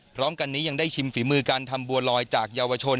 พร้อมกันนี้ยังได้ชิมฝีมือการทำบัวลอยจากเยาวชน